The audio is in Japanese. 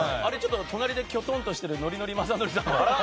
隣できょとんとしてるノリノリ雅紀さんは？